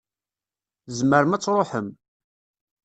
Tzemrem ad tṛuḥem.